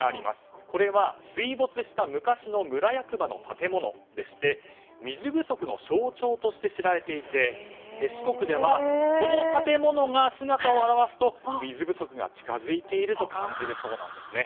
これは水没した昔の村役場の建物でして水不足の象徴として知られていて四国では、この建物が姿を現すと水不足が近づいていると感じるそうなんですね。